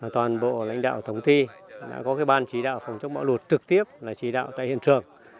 toàn bộ lãnh đạo tổng thi đã có ban chỉ đạo phòng chống bão lụt trực tiếp là chỉ đạo tại hiện trường